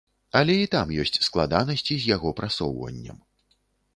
Але і там ёсць складанасці з яго прасоўваннем.